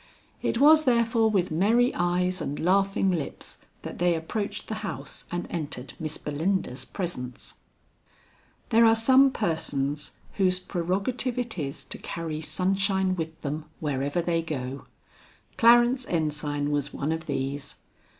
It was therefore with merry eyes and laughing lips that they approached the house and entered Miss Belinda's presence. There are some persons whose prerogative it is to carry sunshine with them wherever they go. Clarence Ensign was one of these.